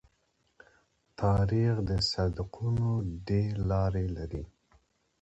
تاریخ د صدقونو ډېره لار لري.